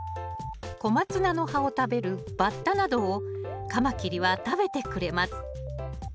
コマツナの葉を食べるバッタなどをカマキリは食べてくれます